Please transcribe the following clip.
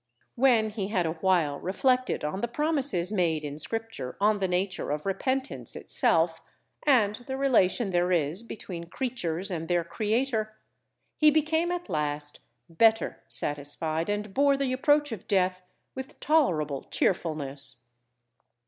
When he had a while reflected on the promises made in Scripture on the nature of repentance itself, and the relation there is between creatures and their Creator, he became at last better satisfied, and bore the approach of death with tolerable cheerfulness.